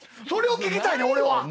それを聞きたいねん俺は。